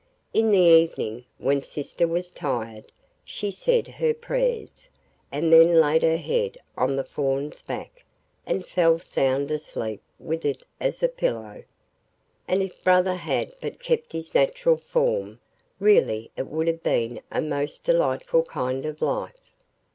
In the evening, when sister was tired, she said her prayers and then laid her head on the fawn's back and fell sound asleep with it as a pillow. And if brother had but kept his natural form, really it would have been a most delightful kind of life.